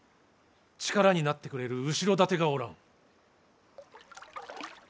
力になってくれる後ろ盾がおらん。